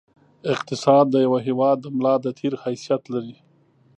اقتصاد د یوه هېواد د ملا د تېر حیثیت لري.